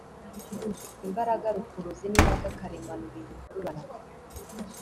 imbaraga rukuruzi nimbaraga karemano ibintu bikururana